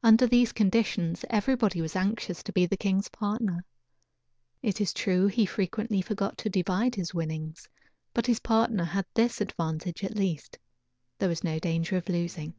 Under these conditions everybody was anxious to be the king's partner. It is true he frequently forgot to divide his winnings, but his partner had this advantage, at least: there was no danger of losing.